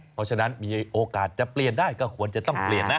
เพราะฉะนั้นมีโอกาสจะเปลี่ยนได้ก็ควรจะต้องเปลี่ยนนะ